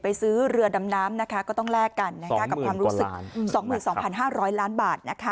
ซื้อเรือดำน้ำนะคะก็ต้องแลกกันกับความรู้สึก๒๒๕๐๐ล้านบาท